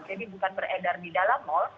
bukan beredar di dalam mal